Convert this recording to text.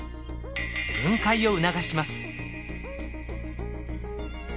分解を促します。